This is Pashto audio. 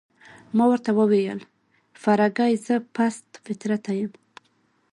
ما ورته وویل: فرګي، زه پست فطرته یم؟